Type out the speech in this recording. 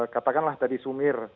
katakanlah tadi sumir